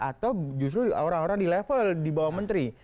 atau justru orang orang di level di bawah menteri